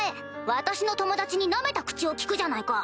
私の友達にナメた口を利くじゃないか。